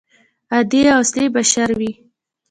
عادي او اصلي بشر وي.